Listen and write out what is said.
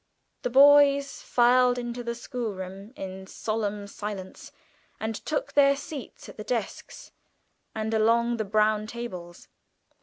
The boys filed into the schoolroom in solemn silence, and took their seats at the desks and along the brown tables.